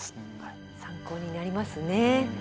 参考になりますね。